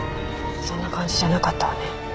そんな感じじゃなかったわね。